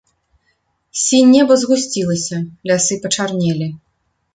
Сінь неба згусцілася, лясы пачарнелі.